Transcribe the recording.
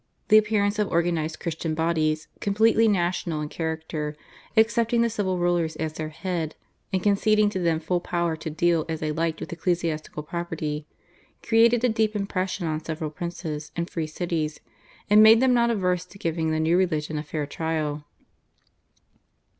The appearance of organised Christian bodies, completely national in character, accepting the civil rulers as their head, and conceding to them full power to deal as they liked with ecclesiastical property, created a deep impression on several princes and free cities, and made them not averse to giving the new religion a fair trial.